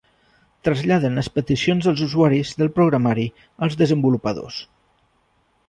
Traslladen les peticions dels usuaris del programari als desenvolupadors.